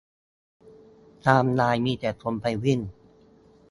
ไทม์ไลน์มีแต่คนไปวิ่ง